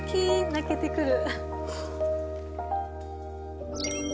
泣けてくる。